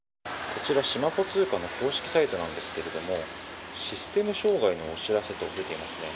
こちら、しまぽ通貨の公式サイトなんですけれどもシステム障害のお知らせと出ていますね。